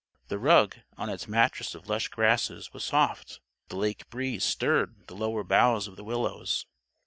The rug, on its mattress of lush grasses, was soft. The lake breeze stirred the lower boughs of the willows.